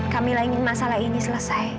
kamilah ingin masalah ini selesai